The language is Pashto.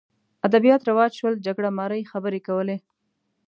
ادبیات رواج شول جګړه مارۍ خبرې کولې